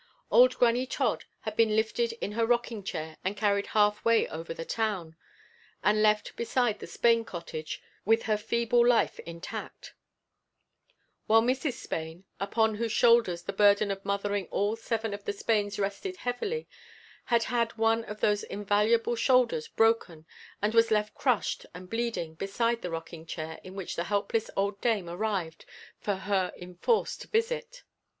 Old Granny Todd had been lifted in her rocking chair and carried halfway over the Town and left beside the Spain cottage with her feeble life intact, while Mrs. Spain, upon whose shoulders the burden of mothering all seven of the Spains rested heavily, had had one of those valuable shoulders broken and was left crushed and bleeding beside the rocking chair in which the helpless old dame arrived for her enforced visit.